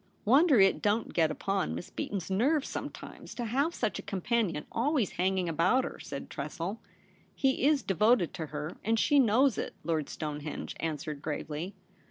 * Wonder it don't get upon Miss Beaton's nerves sometimes to have such a companion always hanging about her,' said Tressel. * He is devoted to her, and she knows it,' Lord Stonehenge answered gravely.